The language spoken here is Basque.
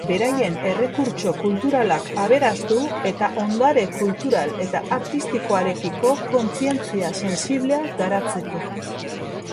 Beraien errekurtso kulturalak aberastu eta ondare kultural eta artistikoarekiko kontzientzia sensiblea garatzeko.